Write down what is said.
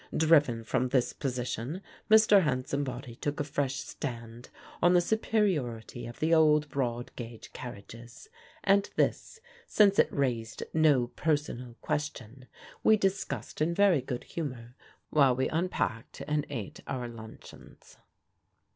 Driven from this position, Mr. Hansombody took a fresh stand on the superiority of the old broad gauge carriages; and this, since it raised no personal question, we discussed in very good humour while we unpacked and ate our luncheons.